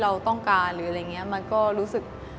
เราต้องการหรืออะไรอย่างนี้มันก็รู้สึก